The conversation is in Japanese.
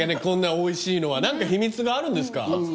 こんなおいしいのは何か秘密があるんですか？